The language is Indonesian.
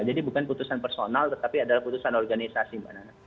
jadi bukan keputusan personal tetapi adalah keputusan organisasi mbak nana